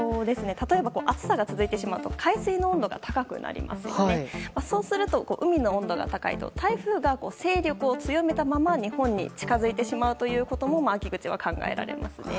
例えば暑さが続くと海水の温度が高くなってそうすると海の温度が高いと台風が勢力を強めたまま日本に近づいてしまうことも秋口は考えられますね。